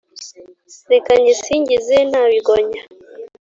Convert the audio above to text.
Reka nyisingize nta bigonya,